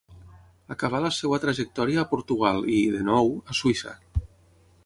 Acabà la seva trajectòria a Portugal i, de nou, a Suïssa.